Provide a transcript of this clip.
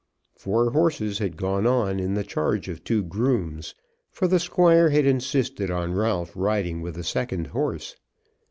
Four horses had gone on in the charge of two grooms, for the Squire had insisted on Ralph riding with a second horse.